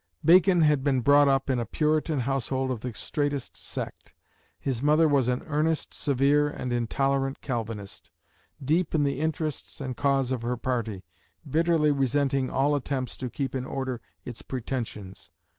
Bacon had been brought up in a Puritan household of the straitest sect. His mother was an earnest, severe, and intolerant Calvinist, deep in the interests and cause of her party, bitterly resenting all attempts to keep in order its pretensions.